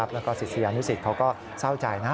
แล้วก็สฤทธิ์ศรีอานุสิตเขาก็เศร้าใจนะ